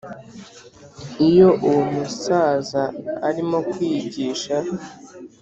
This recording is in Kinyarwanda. iyo uwo umusaza arimo kwigisha,